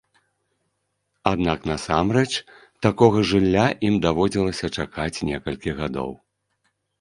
Аднак насамрэч такога жылля ім даводзілася чакаць некалькі гадоў.